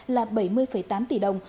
là bảy mươi tám tỷ đồng